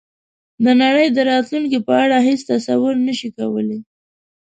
د نړۍ د راتلونکې په اړه هېڅ تصور نه شي کولای.